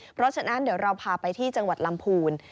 เพราะฉะนั้นเดี๋ยวเราพาไปที่จังหวัดลำพูน